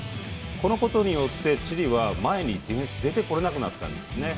このことでチリは前にディフェンスが出てこれなくなったんですね。